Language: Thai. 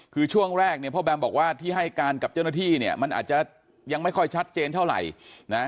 คือช่วงแรกเนี่ยพ่อแบมบอกว่าที่ให้การกับเจ้าหน้าที่เนี่ยมันอาจจะยังไม่ค่อยชัดเจนเท่าไหร่นะ